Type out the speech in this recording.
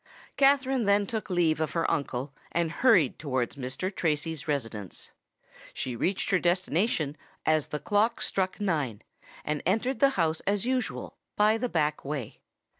Katherine then took leave of her uncle, and hurried towards Mr. Tracy's residence. She reached her destination as the clock struck nine, and entered the house as usual, by the back way.